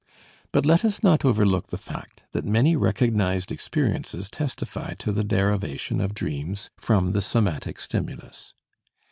But let us not overlook the fact that many recognized experiences testify to the derivation of dreams from the somatic stimulus.